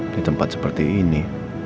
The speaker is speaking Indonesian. di tempat seperti ini